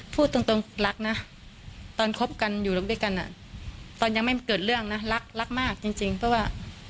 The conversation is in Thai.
พูดตรงรักนะตอนคบกันอยู่ด้วยกันตอนยังไม่เกิดเรื่องนะรักรักมากจริงเพราะว่า